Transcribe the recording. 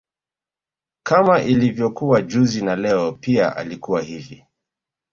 Kama ilivokuwa juzi na Leo pia alikuwa hivi